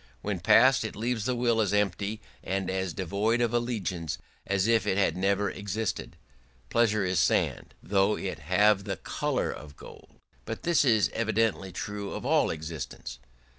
When past, it leaves the will as empty and as devoid of allegiance as if it had never existed; pleasure is sand, though it have the colour of gold. But this is evidently true of all existence.